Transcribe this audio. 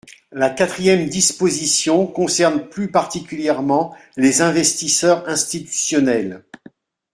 La quatrième disposition concerne plus particulièrement les investisseurs institutionnels.